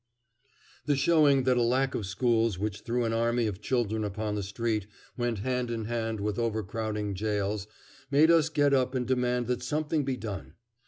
The showing that a lack of schools which threw an army of children upon the street went hand in hand with overcrowded jails made us get up and demand that something be done.